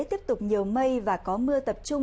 tiếp tục nhiều mây và có mưa tập trung